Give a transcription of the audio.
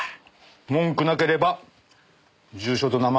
文句なければ住所と名前。